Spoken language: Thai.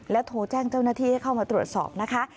โทรแจ้งเจ้าหน้าที่ให้เข้ามาตรวจสอบนะคะ